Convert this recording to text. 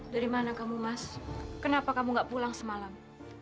dari mana kamu mas kenapa kamu gak pulang semalam